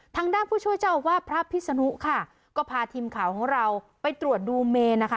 ทางด้านผู้ช่วยเจ้าอาวาสพระพิศนุค่ะก็พาทีมข่าวของเราไปตรวจดูเมนนะคะ